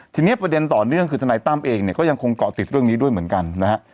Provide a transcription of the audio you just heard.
ทีนี้ประเด็นต่อเนื่องคือทนายตั้มเองเนี่ยก็ยังคงเกาะติดเรื่องนี้ด้วยเหมือนกันนะฮะ